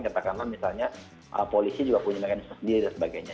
katakanlah misalnya polisi juga punya mekanisme sendiri dan sebagainya